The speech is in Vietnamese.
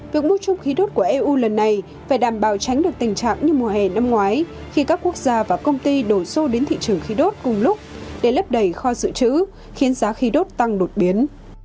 việc mua chung khí đốt của eu lần này phải đảm bảo tránh được tình trạng như mùa hè năm ngoái khi các quốc gia và công ty đổ xô đến thị trường khí đốt cùng lúc để lấp đầy kho dự trữ khiến giá khí đốt tăng đột biến